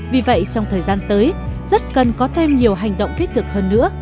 vì vậy trong thời gian tới rất cần có thêm nhiều hành động thích thực hơn nữa